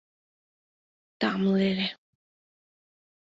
Тамле ыле!..